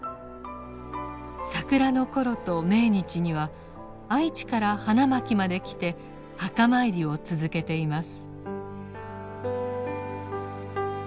桜の頃と命日には愛知から花巻まで来て墓参りを続けています。